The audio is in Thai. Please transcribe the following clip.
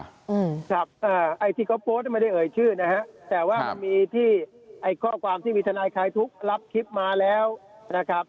อืมครับอ่าไอ้ที่เขาโพสต์ไม่ได้เอ่ยชื่อนะฮะแต่ว่ามันมีที่ไอ้ข้อความที่มีทนายคลายทุกข์รับคลิปมาแล้วนะครับ